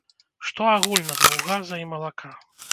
Што агульнага ў газа і малака?